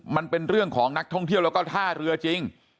มันเป็นเรื่องของนักท่องเที่ยวแล้วก็ท่าเรือจริง